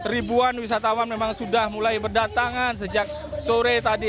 ribuan wisatawan memang sudah mulai berdatangan sejak sore tadi